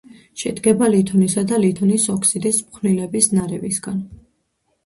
შედგება ლითონისა და ლითონის ოქსიდის ფხვნილების ნარევისგან.